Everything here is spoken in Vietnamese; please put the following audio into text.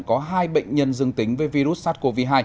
có hai bệnh nhân dương tính với virus sars cov hai